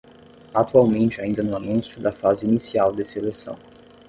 Atualmente ainda no anúncio da fase inicial de seleção